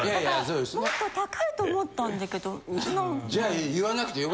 もっと高いと思ったんだけど。